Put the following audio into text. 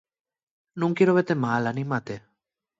Nun quiero vete mal, anímate.